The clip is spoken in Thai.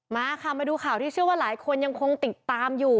มาค่ะมาดูข่าวที่เชื่อว่าหลายคนยังคงติดตามอยู่